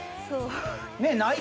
そう